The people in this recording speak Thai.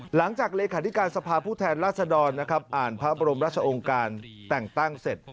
หลังจากเลขาธิการสภาพผู้แทนราษดรนะครับอ่านพระบรมราชองค์การแต่งตั้งเสร็จ